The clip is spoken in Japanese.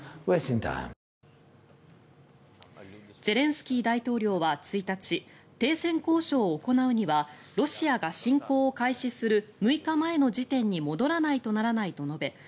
ゼレンスキー大統領は１日停戦交渉を行うにはロシアが侵攻を開始する６日前の時点に戻らないとならないと述べ